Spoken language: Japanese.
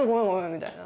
みたいな。